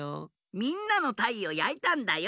みんなの「たい」をやいたんだよ。